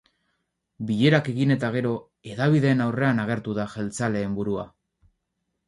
Bilerak egin eta gero, hedabideen aurrean agertu da jeltzaleen burua.